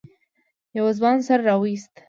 يوه ځوان سر راويست.